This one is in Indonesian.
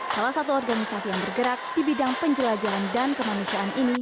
salah satu organisasi yang bergerak di bidang penjelajahan dan kemanusiaan ini